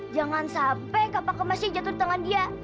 jangan sampai kapak emasnya jatuh di tangan dia